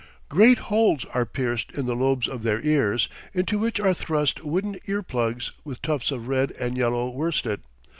Great holes are pierced in the lobes of their ears, into which are thrust wooden ear plugs, with tufts of red and yellow worsted.